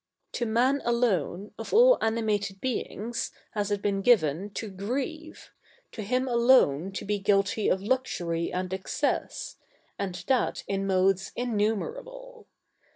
To man alone, of all animated beings, has it been given, to grieve, to him alone to be guilty of luxury and excess; and that in modes innumerable.